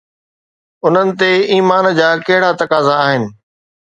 انهن تي ايمان جا ڪهڙا تقاضا آهن؟